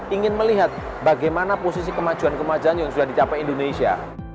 ingin melihat bagaimana posisi kemajuan kemajuan yang sudah dicapai indonesia